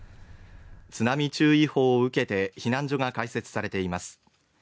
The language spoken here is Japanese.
津波注意報を受けて、避難所が開設されています。